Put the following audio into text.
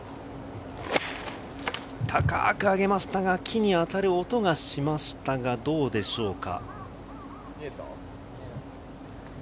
高く上げましたが、木に当たる音がしましたが、どうでしょうか。